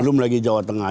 belum lagi jawa tengah